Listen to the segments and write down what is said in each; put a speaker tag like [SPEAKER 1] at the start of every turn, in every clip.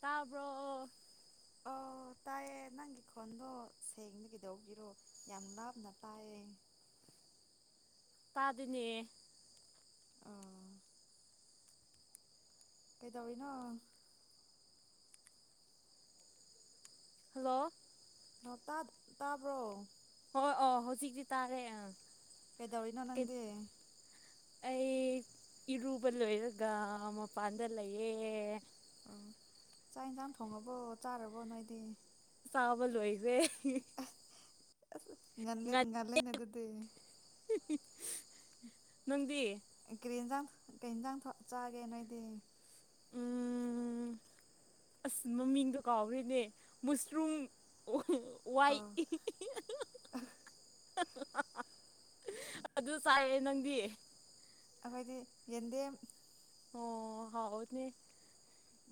[SPEAKER 1] ꯇꯥꯕ꯭ꯔꯣ
[SPEAKER 2] ꯑꯣ ꯇꯥꯏꯌꯦ ꯅꯪꯒꯤ ꯈꯣꯟꯗꯣ ꯁꯦꯡꯅꯒꯤꯗꯧꯕꯒꯤꯔꯣ ꯌꯥꯝ ꯂꯥꯞꯅ ꯇꯥꯏꯌꯦ
[SPEAKER 1] ꯄꯥꯗꯅꯦ
[SPEAKER 2] ꯑ ꯀꯩꯗꯧꯔꯤꯅꯣ
[SPEAKER 1] ꯍꯜꯂꯣ
[SPEAKER 2] ꯇꯥ ꯇꯥꯕ꯭ꯔꯣ
[SPEAKER 1] ꯍꯣꯏ ꯑꯣ ꯍꯧꯖꯤꯛꯇꯤ ꯇꯥꯔꯦ ꯑꯥ
[SPEAKER 2] ꯀꯩꯗꯧꯂꯤꯅꯣ ꯅꯪꯗꯦ
[SPEAKER 1] ꯑꯩ ꯏꯔꯨꯕ ꯂꯣꯏꯔꯒ ꯃꯄꯥꯟꯗ ꯂꯩꯌꯦ
[SPEAKER 2] ꯑꯣ ꯆꯥꯛ ꯌꯦꯟꯁꯥꯡ ꯊꯣꯡꯉꯕꯣ ꯆꯥꯔꯕꯣ ꯅꯣꯏꯗꯤ
[SPEAKER 1] ꯆꯥꯕ ꯂꯣꯏꯁꯦ
[SPEAKER 2] ꯉꯜꯂ ꯉꯜꯂꯦꯅꯦ ꯑꯗꯨꯗꯤ
[SPEAKER 1] ꯅꯪꯗꯤ
[SPEAKER 2] ꯀꯔꯤ ꯌꯦꯟꯁꯥꯡ ꯀꯩ ꯌꯦꯟꯖꯥꯡ ꯆꯥꯒꯦ ꯅꯣꯏꯗꯤ
[SPEAKER 1] ꯎꯝ ꯑꯁ ꯃꯃꯤꯡꯗ ꯀꯥꯎꯒ꯭ꯔꯦꯅꯦ ꯃꯨꯁꯔꯨꯝ ꯋꯥꯏ
[SPEAKER 2] ꯑꯣ
[SPEAKER 1] ꯑꯗꯨ ꯆꯥꯏꯑꯦ ꯅꯪꯗꯤ
[SPEAKER 2] ꯑꯈꯣꯏꯗꯤ ꯌꯦꯟꯗꯦꯝ
[SPEAKER 1] ꯑꯣ ꯍꯥꯎꯅꯦ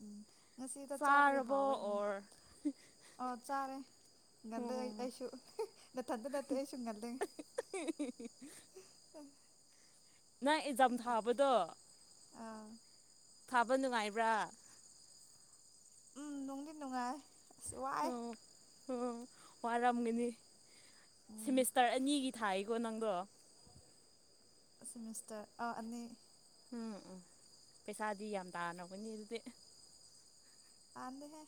[SPEAKER 2] ꯎꯝ ꯉꯁꯤꯗ ꯆꯥꯕꯒꯤ
[SPEAKER 1] ꯆꯥꯔꯕꯣ
[SPEAKER 2] ꯍꯥꯎꯋꯦ ꯎꯝ
[SPEAKER 1] ꯑꯣꯔ
[SPEAKER 2] ꯑꯣ ꯆꯥꯔꯦ ꯉꯜꯂꯦ
[SPEAKER 1] ꯑꯣ
[SPEAKER 2] ꯑꯩ ꯑꯩꯁꯨ ꯃꯊꯟꯇ ꯅꯠꯇꯦ ꯑꯩꯁꯨ ꯉꯜꯂꯦ
[SPEAKER 1] ꯅꯪ ꯑꯦꯛꯖꯥꯝ ꯊꯥꯕꯗꯣ
[SPEAKER 2] ꯑꯥ
[SPEAKER 1] ꯊꯥꯕ ꯅꯨꯡꯉꯥꯏꯕ꯭ꯔꯥ
[SPEAKER 2] ꯎꯝ ꯅꯨꯡꯗꯤ ꯅꯨꯡꯉꯥꯢ ꯁꯋꯥꯏ
[SPEAKER 1] ꯑꯣ ꯑꯣ ꯋꯥꯔꯝꯒꯅꯤ
[SPEAKER 2] ꯎꯝ
[SPEAKER 1] ꯁꯦꯃꯤꯁꯇꯔ ꯑꯅꯤꯒꯤ ꯊꯥꯏꯀꯣ ꯅꯪꯗꯣ
[SPEAKER 2] ꯁꯦꯃꯤꯁꯇꯔ ꯑ ꯥ ꯑꯅꯤ
[SPEAKER 1] ꯎꯝ ꯎꯝ ꯄꯩꯁꯥꯗꯤ ꯌꯥꯝ ꯇꯥꯅꯕꯅꯤ ꯑꯗꯨꯗꯤ
[SPEAKER 2] ꯇꯥꯟꯗꯦꯍꯦ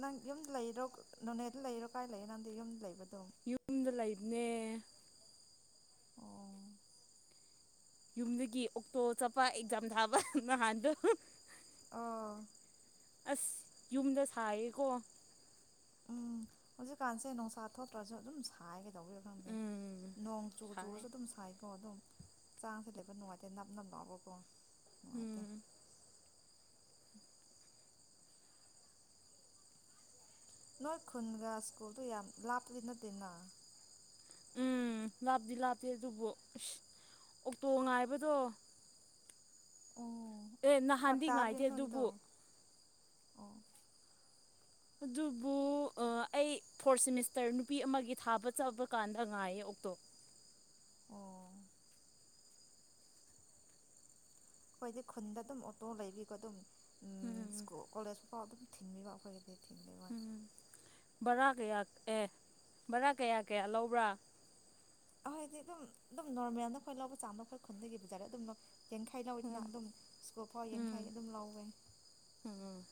[SPEAKER 2] ꯅꯪ ꯌꯨꯝꯗ ꯂꯩꯔꯣ ꯅꯣꯅꯦꯗ ꯂꯩꯔꯣ ꯀꯥꯏ ꯂꯩꯌꯦ ꯅꯪꯗꯤ ꯌꯨꯝ ꯂꯩꯕ
[SPEAKER 1] ꯌꯨꯝꯗ ꯂꯩ ꯅꯦ
[SPEAKER 2] ꯑꯣ
[SPEAKER 1] ꯌꯨꯝꯗꯒꯤ ꯑꯣꯛꯇꯣ ꯆꯠꯄ ꯑꯦꯛꯖꯥꯝ ꯊꯥꯕ ꯅꯍꯥꯟꯗꯣ
[SPEAKER 2] ꯑꯥ
[SPEAKER 1] ꯑꯁ ꯌꯨꯝꯗ ꯁꯥꯏꯌꯦꯀꯣ
[SPEAKER 2] ꯎꯝ ꯍꯧꯖꯤꯛꯀꯥꯟꯁꯦ ꯅꯨꯡꯁꯥ ꯊꯣꯛꯇ꯭ꯔꯁꯨ ꯑꯗꯨꯝ ꯁꯥꯏ ꯇꯧꯕꯤꯔꯥ ꯈꯪꯗꯦ
[SPEAKER 1] ꯎꯝ
[SPEAKER 2] ꯅꯣꯡ ꯆꯨ
[SPEAKER 1] ꯁꯥꯏ
[SPEAKER 2] ꯆꯨꯔꯁꯨ ꯑꯗꯨꯝ ꯁꯥꯏꯀꯣ ꯑꯗꯨꯝ ꯆꯥꯟꯁ ꯂꯩꯕ ꯅꯨꯡꯉꯥꯏꯇꯦ ꯅꯞ ꯅꯞ ꯂꯥꯎꯕꯀꯣ ꯅꯨꯡꯉꯥꯏꯇꯦ
[SPEAKER 1] ꯎꯝ
[SPEAKER 2] [inaudible] ꯅꯣꯏ ꯈꯨꯟꯒ ꯁ꯭ꯀꯨꯜꯗꯨ ꯌꯥꯝ ꯂꯥꯞꯄꯗꯤ ꯅꯠꯇꯦꯅ
[SPEAKER 1] ꯎꯝ ꯂꯥꯞꯇꯤ ꯂꯥꯞꯇꯦ ꯑꯗꯨꯕꯨ ꯑꯁ ꯑꯣꯛꯇꯣ ꯉꯥꯏꯕꯗꯣ
[SPEAKER 2] ꯑꯣ
[SPEAKER 1] ꯑꯦ
[SPEAKER 2] ꯐꯔꯛ
[SPEAKER 1] ꯅꯥꯍꯥꯟꯗꯤ ꯉꯥꯏꯗꯦ
[SPEAKER 2] ꯇꯥꯕꯒꯤꯅꯦ ꯅꯣꯏꯒꯤꯗꯣ
[SPEAKER 1] ꯑꯗꯨꯕꯨ
[SPEAKER 2] ꯑꯣ
[SPEAKER 1] ꯑꯗꯨꯕꯨ ꯑꯩ ꯐꯣꯔꯠ ꯁꯦꯃꯤꯁꯇꯔ ꯅꯨꯄꯤ ꯑꯃꯒꯤ ꯊꯥꯕ ꯆꯠꯕ ꯀꯥꯟꯗ ꯉꯥꯏꯌꯦ ꯑꯣꯛꯇꯣ
[SPEAKER 2] ꯑꯣ ꯑꯩꯈꯣꯏꯗꯤ ꯈꯨꯟꯗ ꯑꯗꯨꯝ ꯑꯣꯇꯣ ꯂꯩꯕꯤꯀꯣ ꯑꯗꯨꯝ ꯎꯝ ꯁꯀꯨꯜ ꯀꯣꯂꯦꯁ ꯄꯥꯎ ꯑꯗꯨꯝ ꯊꯤꯟꯕꯤꯕ ꯑꯩꯈꯣꯏꯒꯤꯗꯤ ꯊꯤꯟꯕꯤꯕ
[SPEAKER 1] ꯎꯝ ꯕꯥꯔꯥ ꯀꯌꯥ ꯑꯦ ꯕꯥꯔꯥ ꯀꯌꯥ ꯀꯌꯥ ꯂꯧꯕ꯭ꯔꯥ
[SPEAKER 2] ꯑꯩꯈꯣꯏꯗꯤ ꯑꯗꯨꯝ ꯑꯗꯨꯝ ꯅꯣꯔꯃꯦꯜꯅ ꯑꯩꯈꯣꯏ ꯂꯧꯕ ꯆꯥꯡꯗꯣ ꯑꯩꯈꯣꯏ ꯈꯨꯟꯗꯥꯒꯤ ꯕꯥꯖꯥꯔꯗ ꯑꯗꯨꯝ ꯌꯥꯡꯈꯩ
[SPEAKER 1] ꯎꯝ
[SPEAKER 2] ꯂꯧꯗꯅ ꯑꯗꯨꯝ ꯁ꯭ꯀꯨꯜ ꯐꯥꯎ
[SPEAKER 1] ꯎꯝ
[SPEAKER 2] ꯌꯥꯡꯈꯩ ꯑꯗꯨꯝ ꯂꯧꯋꯦ
[SPEAKER 1] ꯎꯝ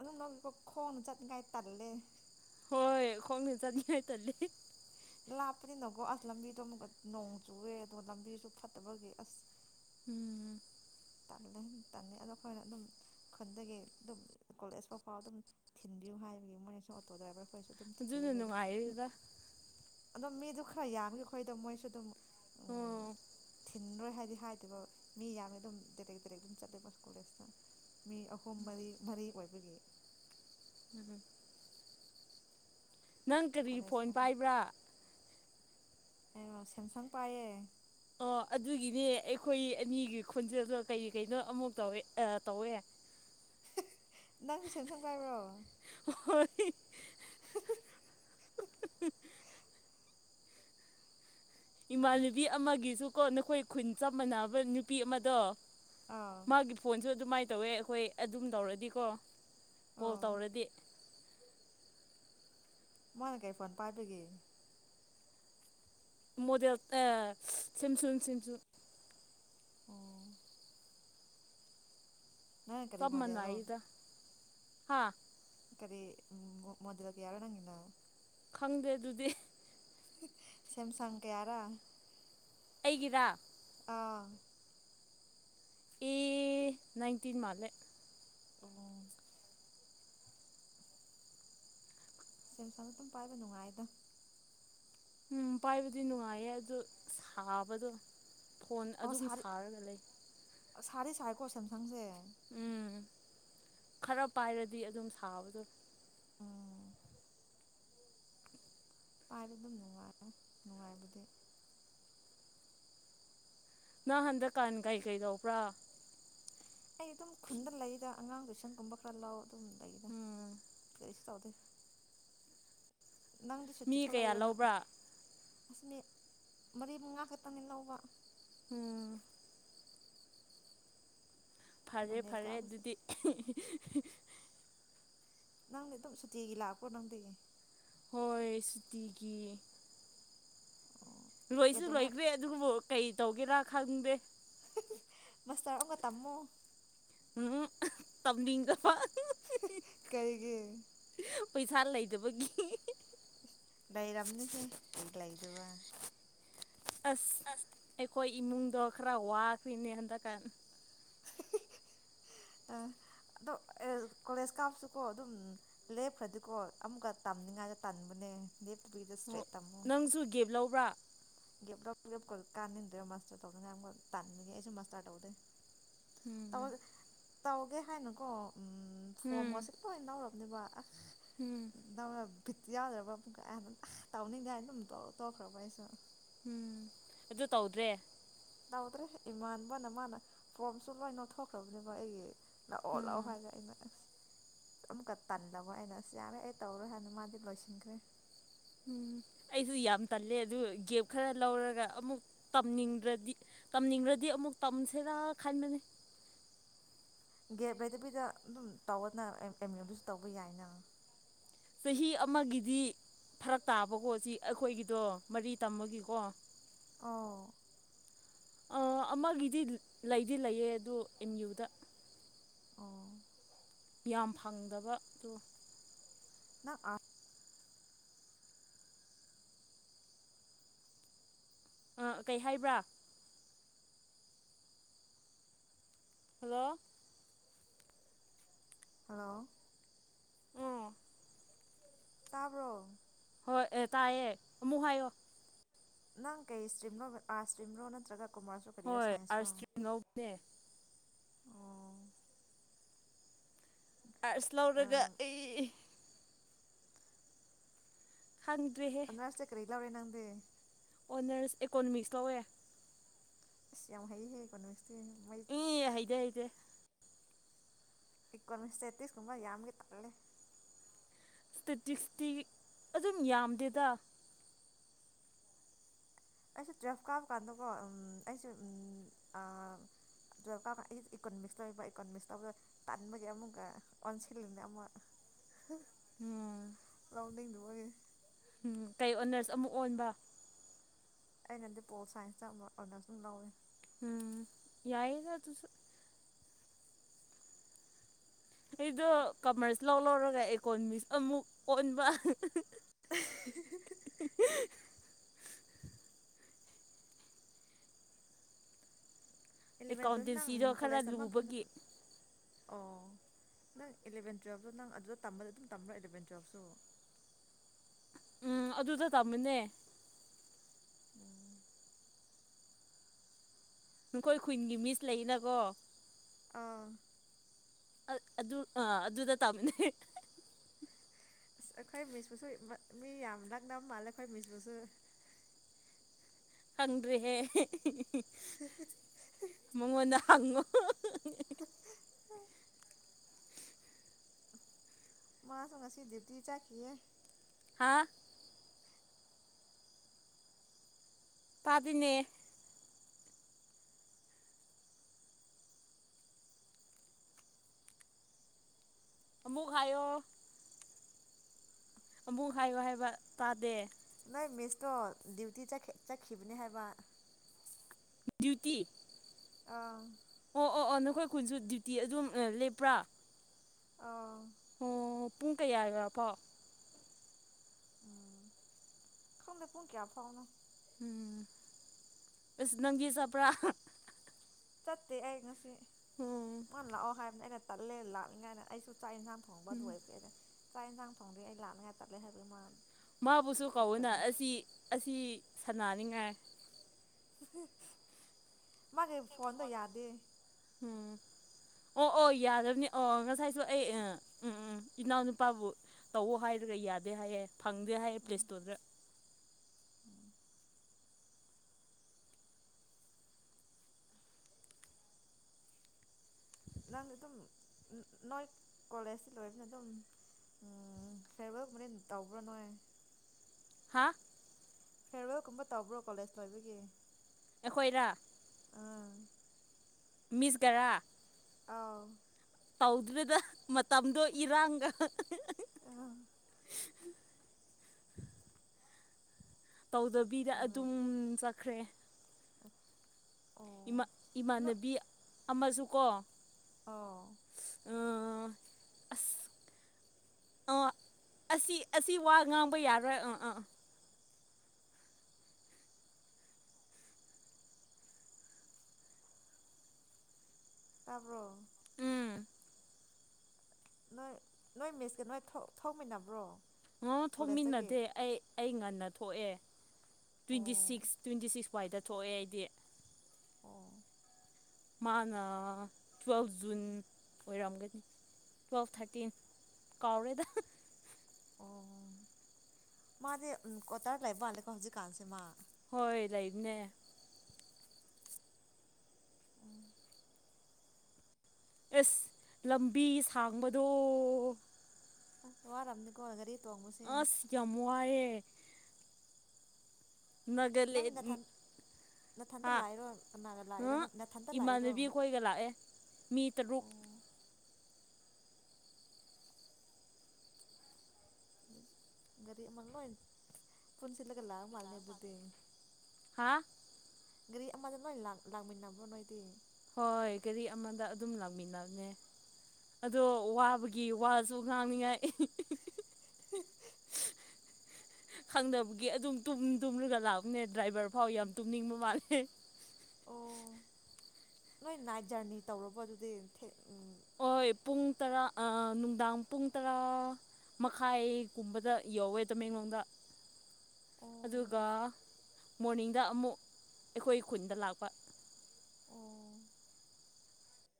[SPEAKER 2] ꯑꯗꯨꯝ ꯂꯧꯋꯦ ꯈꯣꯟꯅ ꯆꯠꯅꯉꯥꯏ ꯇꯥꯜꯂꯦ
[SPEAKER 1] ꯍꯣꯏ ꯈꯣꯡꯅ ꯆꯠꯅꯉꯥꯏ ꯇꯥꯜꯂꯦ
[SPEAKER 2] ꯂꯥꯞꯄꯅꯤꯅꯀꯣ ꯑꯁ ꯂꯝꯕꯤꯗꯣ ꯑꯃꯨꯛꯀ ꯅꯣꯡ ꯆꯨꯑꯦ ꯑꯗꯨꯒꯗꯣ ꯂꯝꯕꯤꯁꯨ ꯐꯠꯇꯕꯒꯤ ꯑꯁ
[SPEAKER 1] ꯎꯝ
[SPEAKER 2] ꯇꯜꯂꯦ ꯇꯜꯂꯦ ꯑꯗꯣ ꯑꯩꯈꯣꯏꯅ ꯑꯗꯨꯝ ꯈꯨꯟꯗꯒꯤ ꯑꯗꯨꯝ ꯀꯣꯂꯦꯖ ꯐꯥꯎ ꯐꯥꯎ ꯑꯗꯨꯝ ꯊꯤꯟꯕꯤꯌꯨ ꯍꯥꯏꯕꯒꯤ ꯃꯣꯏꯅꯁꯨ ꯑꯣꯇꯣ ꯗ꯭ꯔꯥꯏꯚꯔ ꯑꯩꯈꯣꯏꯁꯨ ꯑꯗꯨꯝ ꯊꯤꯜꯂꯦ
[SPEAKER 1] ꯑꯗꯨꯅ
[SPEAKER 2] ꯈꯣꯢꯗꯤ
[SPEAKER 1] ꯅꯨꯡꯉꯥꯏꯔꯤꯗ
[SPEAKER 2] ꯑꯗꯨꯝ ꯃꯤꯗꯨ ꯈꯔ ꯌꯥꯝꯕꯒꯤ ꯑꯩꯈꯣꯏꯗꯣ ꯃꯣꯏꯁꯨ ꯑꯗꯨꯝ
[SPEAKER 1] ꯎꯝ
[SPEAKER 2] ꯊꯤꯟꯔꯣꯏ ꯍꯥꯏꯗꯤ ꯍꯥꯏꯗꯦꯕ ꯃꯤ ꯌꯥꯝꯃꯦ ꯑꯗꯨꯝ ꯇꯔꯦꯛ ꯇꯦꯛ ꯑꯗꯨꯝ ꯆꯠꯂꯦꯕ ꯀꯣꯂꯦꯁꯇ ꯃꯤ ꯑꯍꯨꯝ ꯃꯔꯤ ꯃꯔꯤ ꯑꯣꯏ [unintelligible]
[SPEAKER 1] ꯎꯝ꯫ ꯅꯪ ꯀꯔꯤ ꯐꯣꯟ ꯄꯥꯏꯕ꯭ꯔꯥ꯫
[SPEAKER 2] ꯑꯦ ꯁꯦꯝꯁꯪ ꯄꯥꯏꯌꯦ꯫
[SPEAKER 1] ꯑꯣ ꯑꯗꯨꯒꯤꯅꯦ ꯑꯩꯈꯣꯏ ꯑꯅꯤꯒꯤ ꯈꯣꯟꯖꯦꯜꯗꯣ ꯀꯔꯤ ꯀꯩꯅꯣ ꯑꯃꯨꯛ ꯇꯧꯋꯦ ꯇꯧꯋꯦ꯫
[SPEAKER 2] ꯅꯪꯁꯨ ꯁꯦꯝꯁꯪ ꯄꯥꯏꯕ꯭ꯔꯣ꯫
[SPEAKER 1] [unintelligible] ꯏꯃꯥꯟꯅꯕꯤ ꯑꯃꯒꯤꯁꯨ꯫ ꯀꯣ ꯅꯈꯣꯏ ꯈꯨꯟ ꯆꯞ ꯃꯥꯟꯅꯕ ꯅꯨꯄꯤ ꯑꯃꯗꯣ꯫
[SPEAKER 2] ꯑꯥ
[SPEAKER 1] ꯃꯥꯒꯤ ꯐꯣꯟꯁꯨ ꯑꯗꯨꯃꯥꯏꯅ꯫ ꯀ ꯇꯧꯋꯦ ꯑꯩꯈꯣꯏ ꯑꯗꯨꯝ ꯇꯧꯔꯗꯤꯀꯣ꯫ ꯀꯣꯜ
[SPEAKER 2] ꯑꯥ
[SPEAKER 1] ꯇꯧꯔꯗꯤ꯫
[SPEAKER 2] ꯃꯥꯅ ꯀꯩ ꯐꯣꯟ ꯄꯥꯏꯕꯒꯦ꯫
[SPEAKER 1] ꯃꯣꯗꯦꯜ ꯑ ꯁꯤꯝꯁꯨꯡ ꯁꯤꯁꯨ꯫
[SPEAKER 2] ꯑꯣ꯫ ꯅ ꯀꯔꯤ ꯃꯖꯥꯗꯣ꯫
[SPEAKER 1] ꯍꯥꯥ꯫
[SPEAKER 2] ꯀꯔꯤ ꯃꯣꯗꯤꯗ ꯀꯌꯥꯕ ꯅ ꯀꯅ꯫
[SPEAKER 1] ꯈꯪꯗꯦ ꯑꯗꯨꯗꯤ꯫
[SPEAKER 2] ꯁꯤꯝꯁꯪ ꯀꯌꯥ꯫
[SPEAKER 1] ꯑꯩꯩꯒꯤꯗ꯫ ꯑꯦ ꯅꯥꯏꯟꯇꯤꯟ ꯃꯥꯂꯦ꯫
[SPEAKER 2] ꯑꯣ꯫ ꯁꯦꯝꯁꯥꯡꯗ ꯑꯗꯨꯝ ꯄꯥꯏꯕ ꯅꯨꯡꯉꯥꯏꯗ꯫
[SPEAKER 1] ꯎꯝ ꯄꯥꯏꯕꯗꯤ ꯅꯨꯡꯉꯥꯏꯌꯦ ꯑꯗꯨ ꯁꯥꯕꯗꯣ꯫ ꯐꯣꯟ ꯑꯗꯨꯝ ꯁꯥꯔꯒ ꯂꯩ꯫
[SPEAKER 2] ꯁꯥꯔꯤ ꯁꯥꯏꯀꯣ ꯁꯦꯝꯁꯪꯁꯦ꯫
[SPEAKER 1] ꯎꯝ ꯈꯔ ꯄꯥꯏꯔꯗꯤ ꯑꯗꯨꯝ ꯁꯥꯕꯗꯔ꯫
[SPEAKER 2] ꯎꯝ ꯄꯥꯏꯕꯗꯤ ꯑꯗꯨꯝ ꯅꯨꯡꯉꯥꯏꯔꯦ ꯅꯨꯡꯉꯥꯏꯕꯗꯤ꯫
[SPEAKER 1] ꯅ ꯍꯟꯗꯛꯀꯥꯟ ꯀꯩ ꯀꯩ ꯇꯧꯕ꯭ꯔꯥ꯫
[SPEAKER 2] ꯑꯩ ꯑꯗꯨꯝ ꯈꯨꯟꯗ ꯂꯩꯗ꯫ ꯑꯉꯥꯡ ꯀꯨꯏꯁꯟꯒꯨꯝꯕ ꯈꯔ ꯂꯥꯎꯑꯣ꯫
[SPEAKER 1] ꯎꯝ꯫
[SPEAKER 2] ꯆꯥꯎꯗ꯫ ꯅꯪꯗꯤ ꯁꯨꯇꯤ
[SPEAKER 1] ꯃꯤ ꯀꯌꯥ
[SPEAKER 2] ꯊꯣꯂꯛꯏꯔ ꯅ꯫
[SPEAKER 1] ꯂꯧꯕ꯭ꯔꯥ
[SPEAKER 2] ꯑꯁꯤꯅꯨꯃꯤꯠ ꯃꯔꯤ ꯃꯉꯥ ꯈꯛꯇꯅꯤ ꯂꯧꯕ꯫
[SPEAKER 1] ꯎꯝ꯫ ꯐꯔꯦ
[SPEAKER 2] ꯅꯣꯅꯦ
[SPEAKER 1] ꯐꯔꯦ
[SPEAKER 2] ꯀꯥꯕꯁꯦ
[SPEAKER 1] ꯑꯗꯨꯗꯤ꯫
[SPEAKER 2] ꯅꯪꯅꯦ ꯑꯗꯨꯝ ꯁꯨꯇꯤꯒꯤ ꯂꯥꯛꯑꯀꯣ ꯅꯪꯗꯤ
[SPEAKER 1] ꯍꯣꯏ ꯁꯇꯤꯒꯒꯤ ꯂꯣꯏꯁꯨ
[SPEAKER 2] ꯀꯩꯗꯧꯉꯩ
[SPEAKER 1] ꯂꯣꯏꯈ꯭ꯔꯦ ꯑꯗꯨꯒꯕꯣ ꯀꯩ ꯇꯧꯒꯦꯔꯥ ꯈꯪꯗꯦ
[SPEAKER 2] ꯃꯁ ꯆꯔꯒ ꯇꯝꯃꯣ
[SPEAKER 1] ꯎꯝ ꯇꯝꯅꯤꯡꯗꯕꯥ
[SPEAKER 2] ꯀꯔꯤꯒꯤ
[SPEAKER 1] ꯄꯩꯁꯥ ꯂꯩꯗꯕꯒꯤ
[SPEAKER 2] ꯂꯩꯏꯔꯝꯅꯤꯁꯦ ꯀ ꯂ ꯂꯩꯗꯕ
[SPEAKER 1] ꯑꯁ ꯑꯩꯈꯣꯏ ꯏꯃꯨꯡꯗꯣ ꯈꯔ ꯋꯥꯈ꯭ꯣꯏꯅꯦ ꯍꯟꯗꯛꯀꯥꯟ
[SPEAKER 2] ꯑꯥ ꯑꯗꯣ ꯀꯣꯂꯦꯖ ꯀꯥꯞꯁꯨꯀꯣ ꯑꯗꯨꯝ ꯂꯦꯞꯈ꯭ꯔꯗꯤꯀꯣ ꯑꯃꯨꯛꯀ ꯇꯝꯅꯤꯡꯉꯥꯏꯗ ꯇꯟꯕꯅꯦ ꯂꯦꯞꯇꯕꯤꯗ
[SPEAKER 1] ꯑꯣ
[SPEAKER 2] ꯏꯁꯇ꯭ꯔꯦꯠ
[SPEAKER 1] ꯅꯪꯁꯨ ꯒꯤꯞ ꯂꯧꯕ꯭ꯔꯥ
[SPEAKER 2] ꯒꯦꯞꯦꯞ ꯀꯥꯅꯤꯡꯟꯗ꯭ꯔꯦꯁꯇ ꯇꯧꯅꯤꯡ ꯇꯥꯟꯅꯤꯡꯒꯦ ꯑꯩꯁꯨ ꯃꯁꯇꯥꯔ ꯇꯧꯗꯦ ꯇꯧ
[SPEAKER 1] ꯎꯝ
[SPEAKER 2] ꯇꯧꯒꯦ ꯍꯥꯏꯅꯨꯀꯣ ꯎꯝ
[SPEAKER 1] ꯎꯝ
[SPEAKER 2] ꯐꯣꯔꯝꯒꯣꯁꯤ ꯂꯣꯏ ꯅꯧꯔꯕꯅꯦꯕ
[SPEAKER 1] ꯎꯝ
[SPEAKER 2] [unintelligible] ꯕꯤꯠ ꯌꯥꯎꯗ꯭ꯔꯕ ꯄꯨꯡꯀꯥ ꯍ ꯇꯧꯅꯤꯡꯉꯦ ꯍꯥꯏꯅ ꯑꯗꯨꯝꯧ ꯇꯣꯛꯑꯈ꯭ꯔꯕ ꯑꯩꯁꯨ
[SPEAKER 1] ꯎꯝ ꯑꯗꯨ ꯇꯧꯗ꯭ꯔꯦ
[SPEAKER 2] ꯇꯧꯗ꯭ꯔꯦ ꯏꯃꯅꯕꯅ ꯃꯥꯅ ꯐꯣꯔꯝꯁꯨ ꯂꯣꯏ ꯂꯧꯊꯣꯛꯈ꯭ꯔꯕꯅꯦꯕ ꯑꯩꯒꯤ ꯑꯣꯂ
[SPEAKER 1] ꯎꯝ
[SPEAKER 2] ꯍꯥꯏ ꯌꯥꯅ ꯑꯃꯨꯛꯀ ꯇꯜꯂꯕ ꯑꯩꯅ ꯑꯁ ꯌꯥꯔꯦ ꯑꯩ ꯇꯧꯔꯣꯏ ꯍꯥꯏꯅ ꯃꯥꯗꯤ ꯂꯣꯏꯁꯤꯟꯈ꯭ꯔꯦ
[SPEAKER 1] ꯎꯝ ꯑꯩꯁꯨ ꯌꯥꯝ ꯇꯜꯂꯦ ꯑꯗꯨ ꯒꯤꯒꯦꯞ ꯈꯔ ꯂꯧꯔꯒ ꯑꯃꯨꯛꯅꯤꯡꯗ꯭ꯔꯗꯤ ꯇꯝꯅꯤꯡꯗ꯭ꯔꯗꯤ ꯑꯃꯨꯛ ꯇꯝꯁꯤꯔꯥ ꯈꯟꯕꯅꯦ
[SPEAKER 2] ꯒꯦꯞ ꯂꯩꯗꯕꯤꯗ ꯑꯗꯨꯝ ꯇꯧꯕꯅ ꯑꯦꯝ ꯌꯦꯝꯗꯨꯁꯨ ꯇꯧꯕ ꯌꯥꯏꯅ
[SPEAKER 1] ꯆꯍꯤ ꯑꯃꯒꯤꯗꯤ ꯐꯔꯛ ꯇꯥꯕꯀꯣ ꯁꯤ ꯑꯩꯈꯣꯏꯒꯤꯗꯣ ꯃꯔꯤ ꯇꯝꯃꯒꯤꯀꯣ
[SPEAKER 2] ꯑꯥ
[SPEAKER 1] ꯑꯃꯒꯤꯗꯤ ꯂꯩꯗꯤ ꯂꯩꯑꯦ ꯑꯗꯨ ꯑꯦꯝ ꯌꯨꯗ
[SPEAKER 2] ꯑꯣ
[SPEAKER 1] ꯌꯥꯝ ꯐꯪꯗꯕꯗꯨ
[SPEAKER 2] ꯅꯪ ꯑꯥ
[SPEAKER 1] ꯑ ꯀꯩ ꯍꯥꯏꯕ꯭ꯔꯥ ꯍꯜꯂꯣ
[SPEAKER 2] ꯍꯜꯂꯣ
[SPEAKER 1] ꯑꯥ
[SPEAKER 2] ꯇꯥꯕ꯭ꯔꯣ
[SPEAKER 1] ꯍꯣꯏ ꯑꯦ ꯇꯥꯏꯌꯦ ꯑꯃꯨꯛ ꯍꯥꯏꯌꯣ
[SPEAKER 2] ꯅꯪ ꯀꯩ ꯏꯁꯇ꯭ꯔꯤꯝꯅꯣ ꯑꯥ ꯏꯁꯇ꯭ꯔꯤꯝꯂꯣ ꯅꯠꯇ꯭ꯔꯒ ꯀꯣꯃꯔꯁꯔꯣ ꯀꯔꯤꯔꯣ
[SPEAKER 1] ꯍꯣꯏ
[SPEAKER 2] ꯁꯥꯏꯟꯁꯔꯣ
[SPEAKER 1] ꯑꯁꯇ꯭ꯔꯤ ꯉꯧꯕꯅꯦ
[SPEAKER 2] ꯑꯣ
[SPEAKER 1] ꯑꯥꯔꯁ ꯂꯧꯔꯒ ꯑꯩ ꯈꯪꯗ꯭ꯔꯦꯍꯦ
[SPEAKER 2] ꯑꫭꯅꯔꯁꯇꯤ ꯀꯔꯤ ꯂꯧꯔꯦ ꯅꯪ ꯗꯦ
[SPEAKER 1] ꯑꯣꯅꯔꯁ ꯑꯦꯀꯣꯅꯣꯃꯤꯁ ꯂꯧꯋꯦ
[SPEAKER 2] ꯑꯁ ꯌꯥꯝ ꯍꯩꯍꯦ ꯏꯀꯣꯅꫭꯃꯤꯛꯁ ꯃꯧ
[SPEAKER 1] ꯑꯦ ꯍꯩꯇꯦ ꯍꯩꯇꯦ
[SPEAKER 2] ꯏꯀꫭꯅ ꯁꯇꯦꯠꯇꯤꯁ ꯀꯨꯝꯕ ꯌꯥꯝꯕꯒꯤ ꯇꯜꯂꯦ
[SPEAKER 1] ꯁꯇꯦꯇꯤꯛꯁꯇꯤ ꯑꯗꯨꯝ ꯌꯥꯝꯗꯦꯗ
[SPEAKER 2] ꯑꯩꯁꯨ ꯇꯨꯋꯜꯐ ꯀꯥꯕ ꯀꯥꯟꯗꯀꯣ ꯎꯝ ꯑꯩꯁꯨ ꯎꯝ ꯑ ꯇꯨꯋꯜꯞ ꯀꯥꯕ ꯀꯥꯟꯗ ꯑꯩꯁꯨ ꯏꯀꯣꯅꯣꯃꯤꯛꯁ ꯂꯧꯋꯦꯕ ꯏꯀꯣꯅꯣꯃꯤꯛꯁꯇꯗ ꯇꯟꯕꯒꯤ ꯑꯃꯨꯛꯀ ꯑꯣꯟꯁꯤꯜꯂꯤꯅꯦ ꯑꯃꯨꯛ
[SPEAKER 1] ꯎꯝ
[SPEAKER 2] ꯂꯧꯅꯤꯡꯗꯕꯒꯤ
[SPEAKER 1] ꯎꯝ ꯀꯩ ꯑꯣꯅꯔꯁ ꯑꯃꯨꯛ ꯑꯣꯟꯕ
[SPEAKER 2] ꯑꯩꯅꯗꯤ ꯄꫭꯜ ꯁꯥꯏꯟꯁꯇ ꯑꯃꯨꯛ ꯑꫭꯅꯔꯁ ꯇꯨꯝ ꯂꯧꯋꯦ
[SPEAKER 1] ꯎꯝ ꯌꯥꯏꯗ ꯑꯗꯨꯁꯨ ꯑꯩꯗꯣ ꯀꯃꯔꯁ ꯂꯧ ꯂꯧꯔꯒ ꯏꯀꯣꯅꯣꯃꯤꯛꯁ ꯑꯃꯨꯛ ꯑꯣꯟꯕ [inaudible]
[SPEAKER 2] ꯑꯦꯂꯚꯦꯟ ꯇꯨꯋꯦꯜꯐ ꯅꯪ
[SPEAKER 1] ꯑꯦꯀꯥꯎꯟꯇꯦꯟꯁꯤꯗꯣ ꯈꯔ
[SPEAKER 2] ꯀꯣꯂꯦꯖ ꯇꯝꯕ ꯃꯐꯝꯗ
[SPEAKER 1] ꯂꯨꯕꯒꯤ
[SPEAKER 2] ꯑꯣ ꯅꯪ ꯏꯂꯚꯦꯟ ꯇꯨꯌꯦꯜꯐꯇꯣ ꯅꯪ ꯑꯗꯨꯗ ꯇꯝꯕꯗ ꯑꯗꯨꯝ ꯇꯝꯕ꯭ꯔꫭ ꯏꯂꯚꯦꯟ ꯇꯨꯋꯦꯜꯐꯁꯨ
[SPEAKER 1] ꯎꯝ ꯑꯗꯨꯗ ꯇꯝꯃꯤꯅꯦ ꯅꯈꯣꯏ ꯈꯨꯟꯒꯤ ꯃꯤꯁ ꯂꯩꯅꯀꯣ
[SPEAKER 2] ꯑꯥ
[SPEAKER 1] ꯑꯗꯨ ꯑꯥ ꯑꯗꯨꯗ ꯇꯝꯅꯦ
[SPEAKER 2] ꯑꯁ ꯑꯩꯈꯣꯏ ꯃꯤꯁꯄꯨꯁꯨ ꯃꯤ ꯌꯥꯝ ꯂꯥꯛꯅꯕ ꯃꯥꯜꯂꯦ ꯑꯩꯈꯣꯏ ꯃꯤꯁꯄꯨꯁꯨ
[SPEAKER 1] ꯈꯪꯗ꯭ꯔꯤꯍꯦ ꯃꯉꯣꯟꯗ ꯍꯪꯉꫭ
[SPEAKER 2] [inaudible] ꯃꯥꯁꯨ ꯉꯁꯤ ꯗ꯭ꯋꯨꯇꯤ ꯆꯠꯈꯤꯌꯦ
[SPEAKER 1] ꯍꯥ ꯇꯥꯗꯦꯅꯦ ꯑꯃꯨꯛ ꯍꯥꯏꯌꫭ ꯑꯃꯨꯛ ꯍꯥꯏꯌꫭ ꯍꯥꯏꯕ ꯇꯥꯗꯦ
[SPEAKER 2] ꯅꯡ ꯃꯤꯁ ꯇꯣ ꯗꯨ
[SPEAKER 1] ꯗ꯭ꯌꯨꯇꯤ
[SPEAKER 2] ꯑꯥ
[SPEAKER 1] ꯈꯣꯏ ꯈꯨꯨꯟꯁꯨ ꯗ꯭ꯌꯨꯇꯤ ꯑꯗꯨꯝ ꯑ ꯂꯦꯞꯄ꯭ꯔꯥ
[SPEAKER 2] ꯑ
[SPEAKER 1] ꯑꯣ ꯄꯨꯡ ꯀꯌꯥꯒ ꯐꯥꯎ
[SPEAKER 2] ꯎꯝ ꯈꯪꯗꯦ ꯄꯨꯨꯡ ꯀꯌꯥ ꯐꯥꯎꯅꫭ
[SPEAKER 1] ꯎꯝ ꯎꯁ ꯅꯪꯒꯤ ꯆꯄ꯭ꯔꯥ
[SPEAKER 2] ꯆꯥꯠꯇꯦ ꯑꯩ ꯉꯁꯤ
[SPEAKER 1] ꯎꯝ
[SPEAKER 2] ꯃꯥꯟ ꯂꯥꯑꯣ ꯍꯥꯏꯕꯅꯦ ꯑꯩꯅ ꯇꯜꯂꯦ ꯂꯥꯛꯅꯤꯡꯉꯥꯏꯅ ꯑꯩꯁꯨ ꯆꯥꯛ ꯏꯟꯁꯥꯡ ꯊꫭꯡꯕꯗꯨ
[SPEAKER 1] ꯎꯝ
[SPEAKER 2] ꯑꯣꯏꯈ꯭ꯔꯦꯅꯦ ꯆꯥꯛ ꯍꯟꯖꯥꯡ ꯊꯣꯡꯗꯦ ꯑꯩ ꯂꯅ ꯉ ꯍꯥꯏꯠꯇꯔ ꯂꯩ ꯍꯥꯏꯔꯕ꯭ꯔꯥꯟ꯫
[SPEAKER 1] ꯃꯥꯕꯨꯁꯨ ꯀꯧꯋꯅ ꯑꯁꯤ ꯑꯁꯤ꯫ ꯅꯥꯅꯤꯉꯥꯏ꯫
[SPEAKER 2] [unintelligible] ꯃꯥꯒꯤ ꯐꯣꯟꯗꯣ ꯌꯥꯗꯦ꯫
[SPEAKER 1] ꯎꯝ ꯑꯣ ꯑꯣ ꯌꯥꯗꯕꯅꯤ ꯑꯣ ꯉꯁꯥꯏꯁꯨ ꯑꯩ ꯎꯝ ꯎꯝ ꯏꯅꯥꯎꯅꯨꯄꯥꯕꯨ ꯇꯧꯋ ꯍꯥꯏꯔꯒ ꯌꯥꯗꯦ ꯍꯥꯏꯌꯦ꯫ ꯐꯪꯗꯦ ꯍꯥꯏꯌꯦ ꯄ꯭ꯂꯦ
[SPEAKER 2] ꯎꯝ
[SPEAKER 1] ꯏꯁꯇꯣꯔꯗ꯫
[SPEAKER 2] ꯎꯝ꯫ ꯅꯪ ꯑꯗꯨꯝ ꯅꯣꯏ ꯀꯣꯂꯦꯖꯁꯤ ꯂꯣꯏꯕꯅꯤꯅ ꯑꯗꯨꯝ ꯐꯤꯌꯔꯋꯦꯜꯃꯦꯟ ꯇꯧꯕ꯭ꯔꯥ ꯅꯣꯏ꯫
[SPEAKER 1] ꯍꯥꯥ꯫
[SPEAKER 2] ꯐꯦꯔꯋꯦꯜꯒꯨꯝꯕ ꯇꯧꯕ꯭ꯔꯣ ꯀꯣꯂꯦꯖ ꯂꯣꯏꯕꯒꯤ꯫
[SPEAKER 1] ꯑꯩꯈꯣꯏꯔ꯫
[SPEAKER 2] ꯑꯥ
[SPEAKER 1] ꯃꯤꯁꯒꯔꯥ꯫
[SPEAKER 2] ꯑꯥꯎ
[SPEAKER 1] ꯇꯧꯗ꯭ꯔꯤꯗ ꯃꯇꯝꯗꯣ ꯏꯔꯥꯡꯒ꯫
[SPEAKER 2] ꯑꯥ
[SPEAKER 1] ꯇꯧꯗꯕꯤꯗ
[SPEAKER 2] ꯅꯨꯡꯉꯥꯏ
[SPEAKER 1] ꯑꯗꯨꯝ꯫ ꯈ꯭ꯔꯦ꯫
[SPEAKER 2] [inaudible]
[SPEAKER 1] ꯏꯃꯥꯟ ꯏꯃꯥꯟꯅꯕꯤ ꯑꯃꯁꯨꯀꯣ
[SPEAKER 2] ꯑꯧ
[SPEAKER 1] ꯑꯥ ꯑꯁ ꯑꯥ ꯑꯁꯤ ꯑꯁꯤ ꯋꯥ ꯉꯥꯡꯕ ꯌꯥꯔꯣꯏ ꯑꯥ ꯑꯥ꯫
[SPEAKER 2] ꯇꯥꯕꯔꯣ
[SPEAKER 1] ꯎꯝ꯫
[SPEAKER 2] ꯅꯣꯏ ꯅꯣꯏ ꯃꯤꯁꯀ ꯅꯣꯏ ꯊꯣꯛꯃꯤꯟꯅꯕ꯭ꯔꯣ꯫
[SPEAKER 1] ꯉꯥ ꯊꯣꯛꯃꯤꯟꯅꯗꯦ ꯑꯩ ꯑꯩ ꯉꯟꯅꯥ ꯊꯣꯛꯑꯦ ꯇ꯭ꯋꯦꯟꯇꯤ
[SPEAKER 2] ꯑꯣ
[SPEAKER 1] ꯁꯤꯛꯁ ꯇ꯭ꯋꯦꯟꯇꯤ ꯁꯤꯛꯁ ꯋꯥꯏꯗ꯫ ꯊꯣꯛꯑꯦ ꯑꯩꯗꯤ꯫
[SPEAKER 2] ꯑꯣ꯫
[SPEAKER 1] ꯃꯥꯅ ꯇ꯭ꯨꯋꯦꯜꯐ ꯖꯨꯟ ꯑꯣꯏꯔꯝꯒꯅꯤ ꯇ꯭ꯋꯦꯜꯐ ꯊꯥꯔꯇꯤꯟ ꯀꯥꯎꯔꯦꯗ꯫
[SPEAKER 2] ꯑꯣ ꯃꯥꯗꯤꯦ ꯀꯇꯥꯔ ꯂꯩꯕ ꯃꯥꯂꯦꯀꯣ ꯍꯧꯖꯤꯛ ꯀꯥꯟꯁꯤ ꯃꯥ꯫
[SPEAKER 1] ꯍꯣꯏ ꯂꯩꯅꯦ꯫
[SPEAKER 2] ꯎꯝ
[SPEAKER 1] ꯑꯦꯁ ꯂꯝꯕꯤ ꯁꯥꯡꯕꯗꯣ꯫
[SPEAKER 2] ꯑ ꯑꯔꯝꯅꯤ ꯀꯣꯜ ꯀꯔꯤ꯫
[SPEAKER 1] ꯑꯁ ꯌꯥꯝ ꯋꯥꯌꯦ꯫ [unintelligible]
[SPEAKER 2] ꯅꯪ ꯅꯊ ꯅꯅꯥꯊꯟꯗ
[SPEAKER 1] ꯍꯥ
[SPEAKER 2] ꯂꯥꯛꯏꯔꯣ ꯂꯥꯛꯏꯔꯣ
[SPEAKER 1] ꯉ
[SPEAKER 2] ꯅꯪ ꯅꯥꯊꯟꯇ ꯂꯥꯛꯏꯔꯣ
[SPEAKER 1] ꯏꯃꯥꯟꯅꯕꯤ ꯈꯣꯏꯒ ꯂꯥꯛꯑꯦ ꯃꯤ ꯇꯔꯨꯛ
[SPEAKER 2] ꯑꯣ꯫ ꯔꯤ ꯃꯜꯂ ꯐꯟ ꯁꯤꯂꯒꯂ ꯃꯥꯜꯂꯦ ꯑꯗꯨꯗꯤ꯫
[SPEAKER 1] ꯍꯥ꯫
[SPEAKER 2] ꯒꯥꯔꯤ ꯑꯃꯗ ꯅꯣꯏ ꯂꯥꯛꯃꯤꯟꯅꯕ꯭ꯔꯣ ꯅꯣꯏꯗꯤ꯫
[SPEAKER 1] ꯍꯣꯏ ꯒꯥꯔꯤ ꯑꯃꯗ ꯑꯗꯨꯝ ꯂꯥꯛꯃꯤꯟꯅꯕꯅꯦ ꯑꯗꯣ ꯋꯥꯕꯒꯤ ꯋꯥꯁꯨ ꯉꯥꯡꯅꯤꯉꯥꯏ꯫ ꯈꯪꯗꯅꯕꯒꯤ ꯑꯗꯨꯝ ꯇꯨꯝ ꯇꯨꯝꯂꯒ ꯂꯥꯛꯕꯅꯦ ꯗ꯭ꯔꯥꯏꯚꯔ ꯐꯥꯎ ꯌꯥꯝ ꯇꯨꯝꯅꯤꯡꯕ ꯃꯥꯜꯂꯦ
[SPEAKER 2] ꯑꯣ ꯅꯣꯏ ꯅꯥꯏꯠ ꯖꯔꯅꯤ ꯇꯧꯔꯕ ꯑꯗꯨꯗꯤ꯫ ꯎꯝ
[SPEAKER 1] ꯨ ꯇꯔꯥ ꯅꯨꯡꯗꯥꯡ ꯄꯨꯡ ꯇꯔꯥ ꯃꯈꯥꯏꯒꯨꯝꯕꯗ ꯌꯧꯋꯦ ꯇꯃꯦꯡꯂꯣꯡꯗ꯫
[SPEAKER 2] ꯑꯣ
[SPEAKER 1] ꯑꯗꯨꯒ꯫ ꯃꯣꯔꯅꯤꯡꯗ ꯑꯃꯨꯛ ꯑꯩꯈꯣꯏ ꯈꯨꯟꯗ ꯂꯥꯛꯄ꯫
[SPEAKER 2] ꯑꯣ